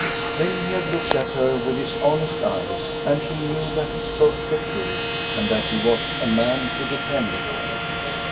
Then he had looked at her with his honest eyes, and she knew that he spoke the truth and that he was a man to depend upon.